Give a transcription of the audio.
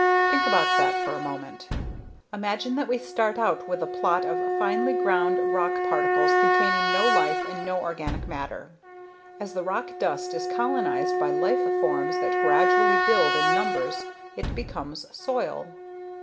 Think about that for a moment. Imagine that we start out with a plot of finely ground rock particles containing no life and no organic matter. As the rock dust is colonized by life forms that gradually build in numbers it becomes soil.